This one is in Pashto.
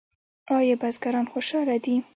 آیا بزګران خوشحاله دي؟